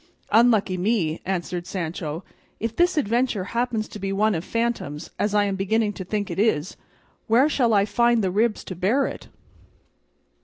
"Unlucky me!" answered Sancho; "if this adventure happens to be one of phantoms, as I am beginning to think it is, where shall I find the ribs to bear it?"